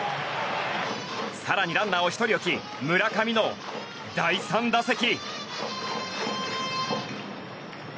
更に、ランナーを１人置き村上の第３打席。